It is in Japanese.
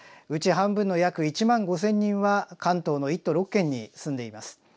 うち半分の約１万５，０００人は関東の１都６県に住んでいます。